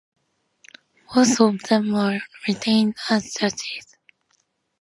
Both of them were retained as judges.